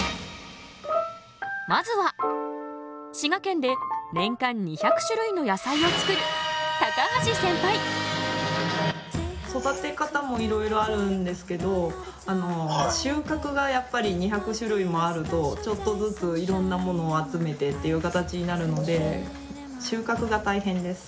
まずは滋賀県で年間２００種類の野菜を作る育て方もいろいろあるんですけど収穫がやっぱり２００種類もあるとちょっとずついろんなものを集めてっていう形になるので収穫が大変です。